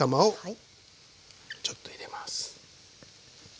ちょっと入れます。